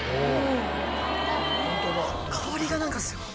香りが何かすごい。